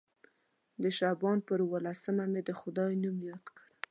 د شعبان پر اووه لسمه مې د خدای نوم یاد کړ.